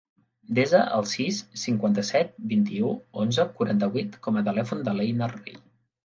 Desa el sis, cinquanta-set, vint-i-u, onze, quaranta-vuit com a telèfon de l'Einar Rey.